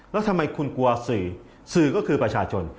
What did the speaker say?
แล้วทำไมคุณกลัวสื่อสื่อก็คือประชาชน